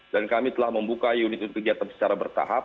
dan kami telah membuka unit kegiatan secara bertahap